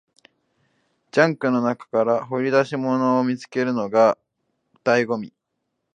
ジャンクの中から掘り出し物を見つけるのが醍醐味